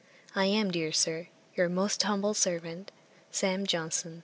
'I am, dear Sir, 'Your affectionate humble servant, 'SAM. JOHNSON.'